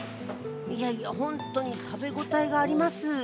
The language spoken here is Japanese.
いやいやホントに食べ応えがあります